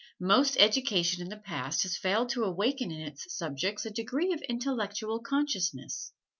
Most education in the past has failed to awaken in its subject a degree of intellectual consciousness.